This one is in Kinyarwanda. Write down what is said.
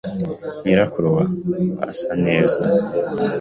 Nyirakuru wa asa neza.